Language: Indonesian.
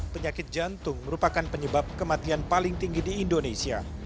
penyakit jantung merupakan penyebab kematian paling tinggi di indonesia